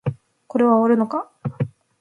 これは終わるのか